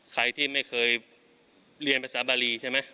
ใครที่ไม่เคยเรียนภาษาบารีใช่ไหม